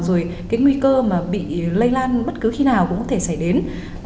rồi cái nguy cơ mà bị lây lan bất cứ khi nào cũng có thể xảy đến